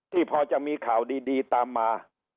ที่พอจะมีข่าวดีตามมา